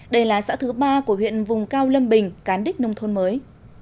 đây là xã thứ ba của huyện vùng cao lâm bình cán đích nông thôn mới